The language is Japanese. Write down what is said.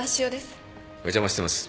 お邪魔してます。